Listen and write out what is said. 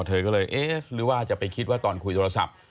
เธอก็เลยเอ๊ะหรือว่าจะไปคิดว่าตอนคุยโทรศัพท์